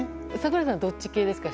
櫻井さん、どっち系ですか。